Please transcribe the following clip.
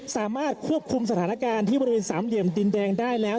สามารถควบคุมสถานการณ์ที่บริเวณสามเหลี่ยมดินแดงได้แล้ว